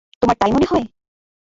তোমার তাই মনে হয়?